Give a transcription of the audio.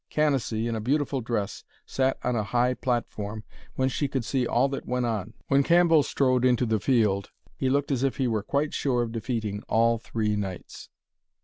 Canacee, in a beautiful dress, sat on a high platform whence she could see all that went on. When Cambell strode into the field, he looked as if he were quite sure of defeating all three knights.